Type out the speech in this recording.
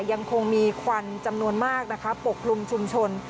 ยังคงมีควันจำนวนมากนะคะปกคลุมชุมชน